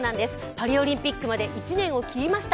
パリオリンピックまで１年を切りました。